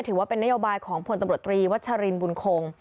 ถือว่าเป็นนโยบายของพลตำรวจตรีวัชรินบุญคง